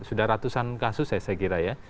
sudah ratusan kasus ya saya kira ya